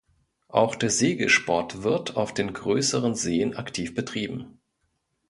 Auch der Segelsport wird auf den größeren Seen aktiv betrieben.